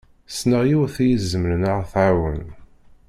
Ssneɣ yiwet i izemren ad ɣ-tɛawen.